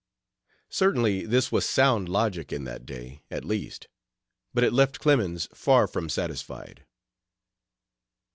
Certainly this was sound logic, in that day, at least. But it left Clemens far from satisfied.